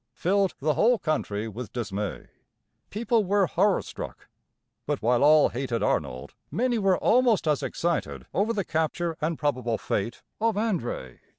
filled the whole country with dismay. People were horror struck; but while all hated Arnold, many were almost as excited over the capture and probable fate of André.